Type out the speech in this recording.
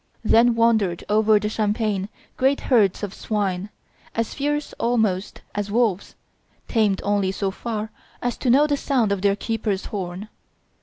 Then wandered over the champaign great herds of swine, as fierce almost as wolves, tamed only so far as to know the sound of their keeper's horn.